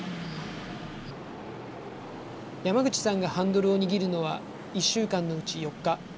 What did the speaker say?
山口さんがハンドルを握るのは１週間のうち４日。